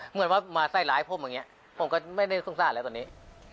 เหมือนว่ามาใส่ร้ายผมอย่างนี้ผมก็ไม่ได้สงสารแล้วตอนนี้